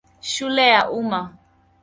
Shule ya Umma.